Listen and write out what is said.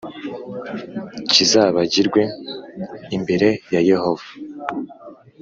kizabagirwe imbere ya Yehova